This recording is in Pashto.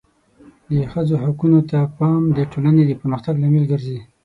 د ښځو حقونو ته پام د ټولنې د پرمختګ لامل ګرځي.